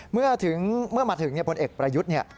เมื่อมาถึงพลเอกประยุทธ์